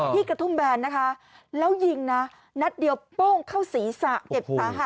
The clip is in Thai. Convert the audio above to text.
กระทุ่มแบนนะคะแล้วยิงนะนัดเดียวโป้งเข้าศีรษะเจ็บสาหัส